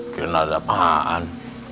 kira gak ada apaan